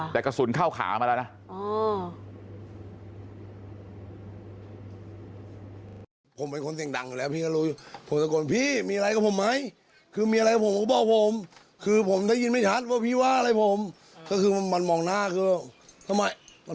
แต่กระสุนเข้าขามาแล้วนะ